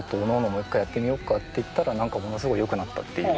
もう一回やってみようかっていったら何かものすごいよくなったっていう。